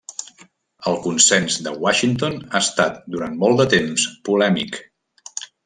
El Consens de Washington ha estat durant molt de temps polèmic.